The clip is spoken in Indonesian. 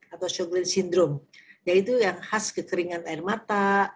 atau sjogren sindrom yaitu yang khas kekeringan air mata